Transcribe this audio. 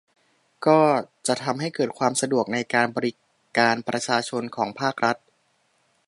ก็จะทำให้เกิดความสะดวกในการบริการประชาชนของภาครัฐ